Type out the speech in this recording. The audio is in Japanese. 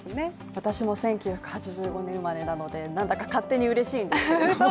私も１９８５年生まれなので、なんだか勝手にうれしいです。